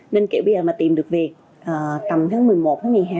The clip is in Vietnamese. nên kiểu bây giờ mà tìm được việc tầm tháng một mươi một tháng một mươi hai